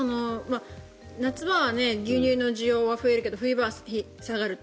夏場は牛乳の需要は増えるけど冬場は下がると。